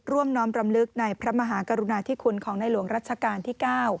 น้อมรำลึกในพระมหากรุณาธิคุณของในหลวงรัชกาลที่๙